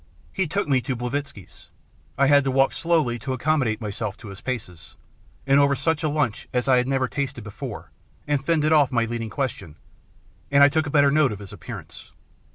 He took me to Blavitski's ; I had to walk slowly to accommodate myself to his paces ; and over such a lunch as I had never tasted before, he fended off my leading questions, and I took a better note of his appearance.